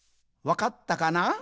わかったかな？